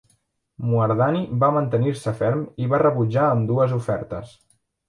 Moerdani va mantenir-se ferm i va rebutjar ambdues ofertes.